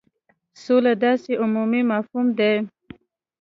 سوله داسي عمومي مفهوم دی.